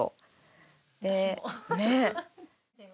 ねえ！